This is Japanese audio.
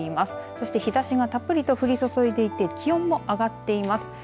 そして日ざしがたっぷりと降り注いでいて気温も上がっています。